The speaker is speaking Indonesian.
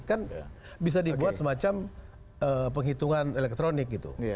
kan bisa dibuat semacam penghitungan elektronik gitu